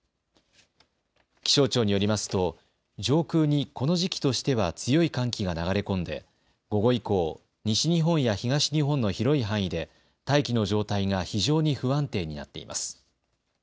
気象庁によりますと上空にこの時期としては強い寒気が流れ込んで午後以降、西日本や東日本の広い範囲で大気の状態が非常に不安定になっています。